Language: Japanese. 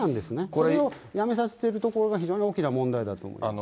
それをやめさせてるところが非常に大きな問題だと思いますね。